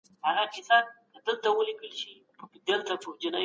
موږ باید په سیاست کي هوښیار واوسو.